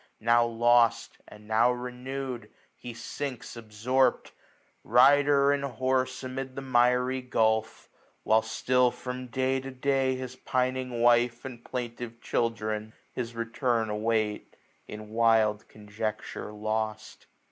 Now lost and now renewed, he sinks absorpt. Rider and horae, amid the miry gulph ; While still, from day to day, his pining wife, 1155 And plaintive children, his return await. In wild conjecture lost.